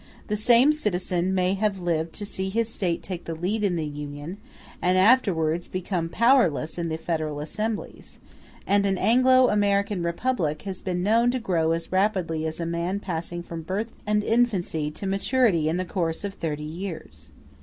The same citizen may have lived to see his State take the lead in the Union, and afterwards become powerless in the federal assemblies; and an Anglo American republic has been known to grow as rapidly as a man passing from birth and infancy to maturity in the course of thirty years.